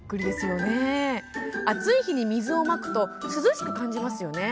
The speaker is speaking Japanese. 暑い日に水をまくと涼しく感じますよね。